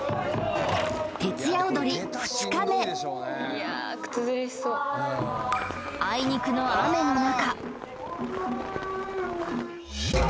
徹夜おどり２日目あいにくの雨の中